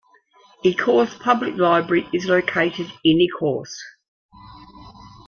Ecorse Public Library is located in Ecorse.